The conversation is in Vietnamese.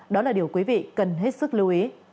đó là điều quý vị cần hết sức lưu ý